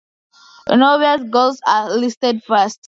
Norway's goals are listed first.